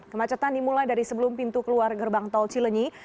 kemacetan dimulai dari sebelum pintu keluar gerbang tol cilenyi